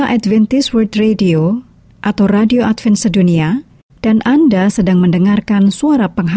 haleluya aku gembira bersama yesus ku bahagia